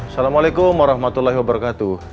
salamualaikum warahmatullahi wabarakatuh